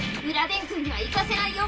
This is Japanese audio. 電空には行かせないよ。